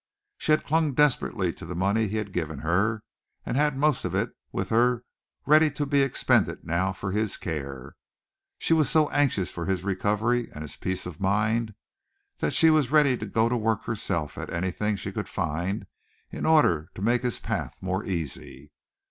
She had clung desperately to the money he had given her, and had most of it with her ready to be expended now for his care. She was so anxious for his recovery and his peace of mind that she was ready to go to work herself at anything she could find, in order to make his path more easy.